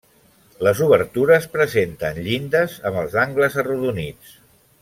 Les obertures presenten llindes amb els angles arrodonits.